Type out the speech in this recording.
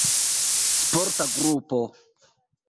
Sporta grupo.